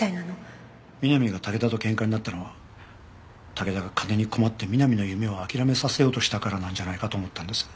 美波が武田と喧嘩になったのは武田が金に困って美波の夢を諦めさせようとしたからなんじゃないかと思ったんです。